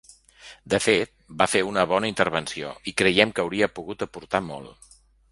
De fet, va fer una bona intervenció, i creiem que hauria pogut aportar molt.